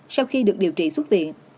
sau khi được điều trị xuất tiện